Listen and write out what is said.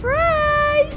aku mau ke rumah